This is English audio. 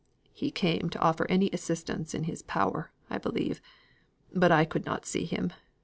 "He came to offer any assistance in his power, I believe. But I could not see him.